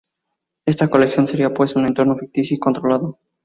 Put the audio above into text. Esta colección sería pues un entorno ficticio y controlado.